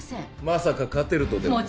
まさか勝てるとでも？